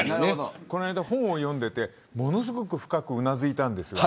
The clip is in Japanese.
この間、本を読んでいてものすごく深くうなずいたんです。